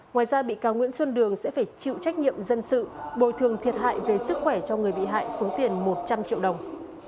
ngoài ra bị cáo nguyễn xuân đường sẽ phải chịu trách nhiệm dân sự bồi thường thiệt hại về sức khỏe cho người bị hại số tiền một trăm linh triệu đồng